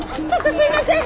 すいません！